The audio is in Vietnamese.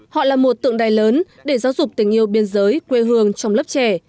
họ là một tượng đài lớn để giáo dục tình yêu biên giới quê hương trong lớp trẻ